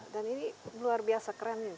dan ini luar biasa keren